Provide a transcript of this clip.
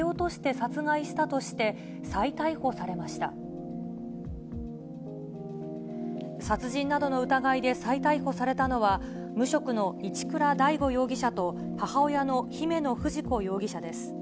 殺人などの疑いで再逮捕されたのは、無職の一倉大悟容疑者と、母親の姫野富士子容疑者です。